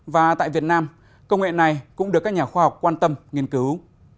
và tại việt nam công nghệ này cũng được các nhà khoa học quan tâm nghiên cứu